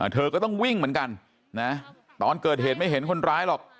เธอก็ต้องวิ่งเหมือนกันนะตอนเกิดเหตุไม่เห็นคนร้ายหรอก